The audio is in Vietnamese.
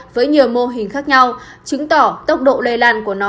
với nhiều mô hình khác nhau chứng tỏ tốc độ lây lan của nó